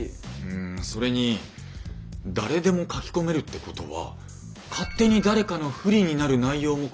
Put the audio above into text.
んそれに誰でも書き込めるってことは勝手に誰かの不利になる内容も書けるわけですよね？